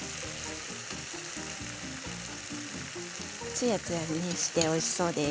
つやつやして、おいしそうです。